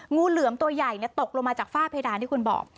งูเหลือมตัวใหญ่ตกลงมาจากฝ้าเพดานที่คุณบอก